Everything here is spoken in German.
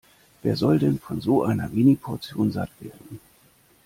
Wer soll denn von so einer Mini-Portion satt werden?